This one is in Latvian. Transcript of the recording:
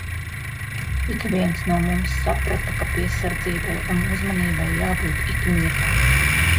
Ikviens no mums saprata, ka piesardzībai un uzmanībai jābūt ik mirkli.